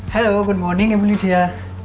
halo selamat pagi emelie tia